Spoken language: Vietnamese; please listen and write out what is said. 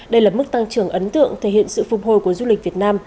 đây là mức tăng trưởng ấn tượng thể hiện sự phục hồi của du lịch việt nam